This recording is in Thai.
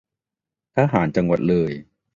ทหารจังหวัดเลย